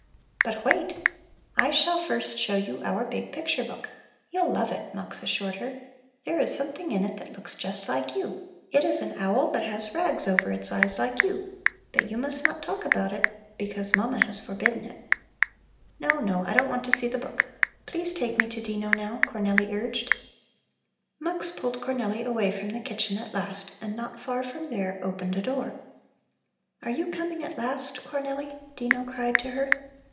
"But wait! I shall first show you our big picture book. You'll love it," Mux assured her. "There is something in it that looks just like you; it is an owl that has rags over its eyes like you. But you must not talk about it, because Mama has forbidden it." "No, no, I don't want to see the book. Please take me to Dino now," Cornelli urged. Mux pulled Cornelli away from the kitchen at last and, not far from there, opened a door. "Are you coming at last, Cornelli?" Dino cried to her.